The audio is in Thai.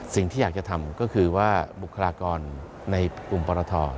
สิ่งที่อยากจะทำก็คือว่าบุคลากรในกลุ่มปรท